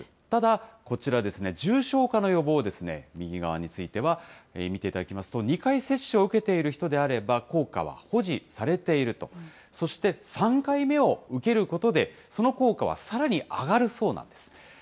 ただ、こちらですね、重症化の予防ですね、右側については、見ていただきますと、２回接種を受けている人であれば効果は保持されていると、そして３回目を受けることで、その効果はさらに上がるそうなんです。